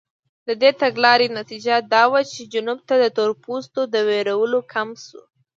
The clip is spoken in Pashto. د دې تګلارې نتیجه دا وه چې جنوب د تورپوستو د وېرولو کمپ شو.